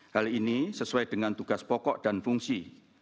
hal ini sesuai dengan tugas pokok dan fungsi